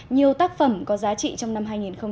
nhiều tác phẩm có giá trị trong năm hai nghìn một mươi bảy